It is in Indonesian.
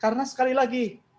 karena sekali lagi